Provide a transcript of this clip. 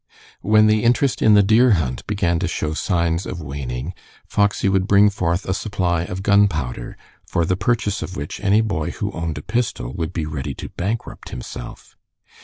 When the interest in the deer hunt began to show signs of waning, Foxy would bring forth a supply of gunpowder, for the purchase of which any boy who owned a pistol would be ready to bankrupt himself.